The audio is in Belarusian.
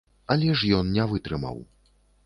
Але ж ён не вытрымаў.